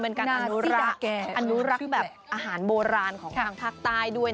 เป็นการอนุรักษ์อนุรักษ์แบบอาหารโบราณของทางภาคใต้ด้วย